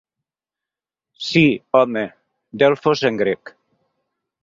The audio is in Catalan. Sí home, Delfos en grec.